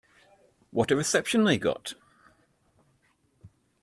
What a reception they got.